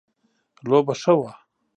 لوبه ښه وه